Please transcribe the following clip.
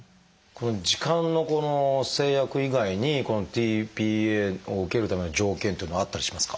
時間の制約以外にこのｔ−ＰＡを受けるための条件っていうのはあったりしますか？